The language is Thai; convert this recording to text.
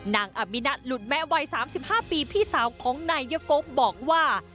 นางอามินะหลุดแม้วัย๓๕ปีพี่สาวของนายยกบบอกว่า